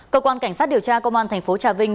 cơ quan cảnh sát điều tra công an thành phố trà vinh